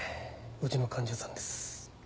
うちの患者さんです。